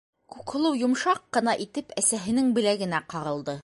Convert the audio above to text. — Күкһылыу йомшаҡ ҡына итеп әсәһенең беләгенә ҡағылды.